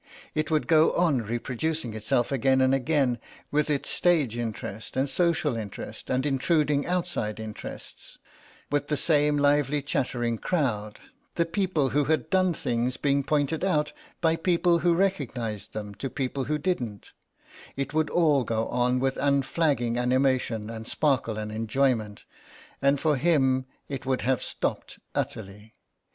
It would go on reproducing itself again and again, with its stage interest and social interest and intruding outside interests, with the same lively chattering crowd, the people who had done things being pointed out by people who recognised them to people who didn't—it would all go on with unflagging animation and sparkle and enjoyment, and for him it would have stopped utterly.